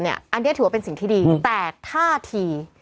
อันนี้ถือว่าเป็นสิ่งที่ดีแต่ท่าที